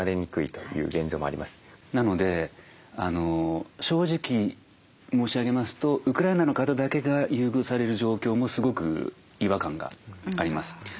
なので正直申し上げますとウクライナの方だけが優遇される状況もすごく違和感があります。